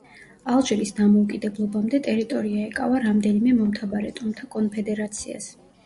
ალჟირის დამოუკიდებლობამდე, ტერიტორია ეკავა რამდენიმე მომთაბარე ტომთა კონფედერაციას.